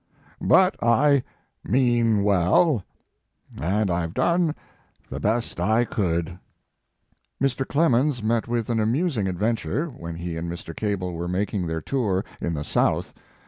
But I mean well, and I ve done the best I could." Mr. Clemens met with an amusing ad venture when he and Mr. Cable were making their tour in the South.